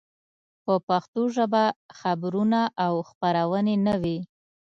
په پښتو ژبه خبرونه او خپرونې نه وې.